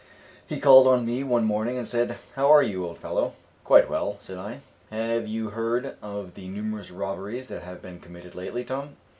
He called on me one morning and said, "How are you, old fellow?" "Quite well," said I. "Have you heard of the numerous robberies that have been committed lately, Tom?"